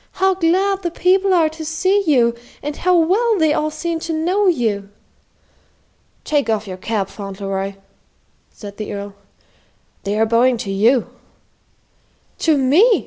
"How glad the people are to see you, and how well they all seem to know you!" "Take off your cap, Fauntleroy," said the Earl. "They are bowing to you." "To me!"